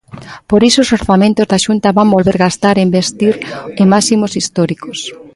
Por iso os orzamentos da Xunta van volver gastar e investir en máximos históricos.